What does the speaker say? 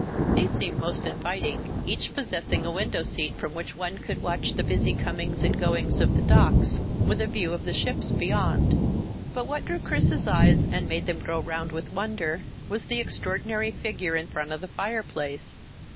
These seemed most inviting, each possessing a window seat from which one could watch the busy comings and goings of the docks, with a view of the ships beyond. But what drew Chris's eyes and made them grow round with wonder was the extraordinary figure in front of the fireplace.